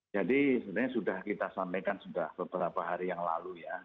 jadi sebenarnya sudah kita sampaikan sudah beberapa hari yang lalu ya